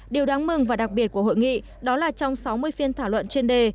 điều đáng mừng và đặc biệt của hội nghị đó là trong sáu mươi phiên thảo luận chuyên đề